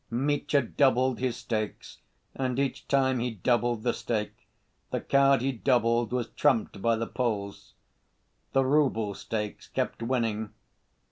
Mitya doubled his stakes, and each time he doubled the stake, the card he doubled was trumped by the Poles. The rouble stakes kept winning.